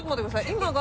今が。